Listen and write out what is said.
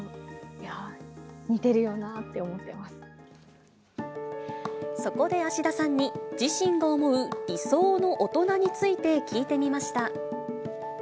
いやぁ、似てるよなって思ってまそこで芦田さんに、自身が思う理想の大人について聞いてみました。